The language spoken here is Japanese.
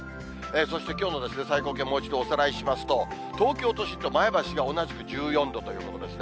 そしてきょうの最高気温、もう一度おさらいしますと、東京都心と前橋が同じく１４度ということですね。